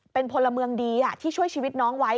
เป็นพลเมืองดีที่ช่วยชีวิตน้องไว้